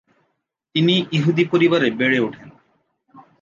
তিনি ইহুদি পরিবারে বেড়ে ওঠেন।